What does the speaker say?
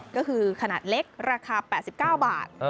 ก็คือขนาดเล็กราคา๘๙บาท